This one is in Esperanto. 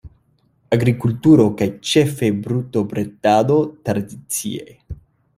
Agrikulturo kaj ĉefe brutobredado tradicie.